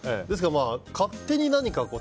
ですけど勝手に何か。